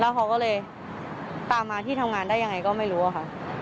เขาก็เลยตามมาที่ทำงานได้ยังไงก็ไม่รู้อะค่ะ